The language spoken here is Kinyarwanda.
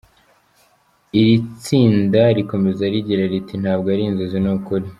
Iri tsina rikomeza rigira riti “Ntabwo ari inzozi ni ukuri.